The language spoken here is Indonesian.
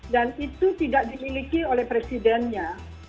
dan itu tidak dimiliki oleh presidennya